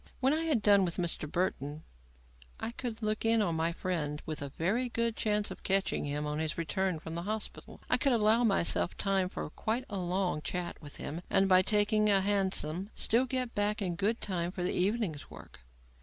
When I had done with Mr. Burton I could look in on my friend with a very good chance of catching him on his return from the hospital. I could allow myself time for quite a long chat with him, and, by taking a hansom, still get back in good time for the evening's work.